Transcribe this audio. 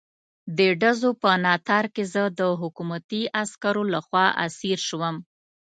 د ډزو په ناتار کې زه د حکومتي عسکرو لخوا اسیر شوم.